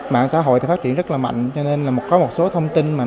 mạng xã hội thì phát triển rất là mạnh cho nên là có một số thông tin mà nó không có